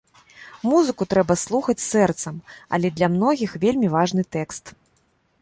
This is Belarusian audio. Музыку трэба слухаць сэрцам, але для многіх вельмі важны тэкст.